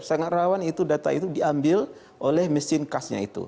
sangat rawan itu data itu diambil oleh mesin kasnya itu